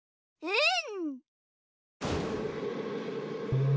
うん！